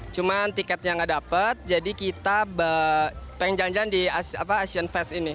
cuma tiketnya nggak dapat jadi kita pengen jalan jalan di asian fest ini